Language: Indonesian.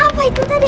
apa itu tadi